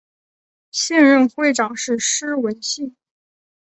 现任会长是施文信。